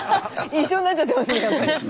一緒になっちゃってますねやっぱり。